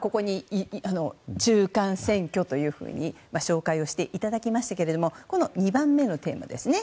「中」「間」「選」「挙」と紹介をしていただきましたがこの２番目のテーマですね。